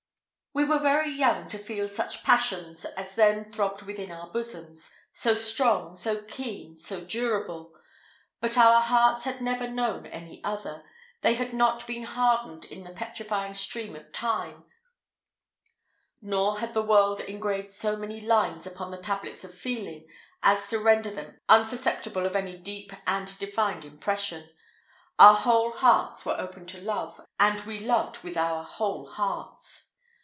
We were very young to feel such passions as then throbbed within our bosoms, so strong, so keen, so durable; but our hearts had never known any other they had not been hardened in the petrifying stream of time, nor had the world engraved so many lines upon the tablets of feeling as to render them unsusceptible of any deep and defined impression. Our whole hearts were open to love, and we loved with our whole hearts.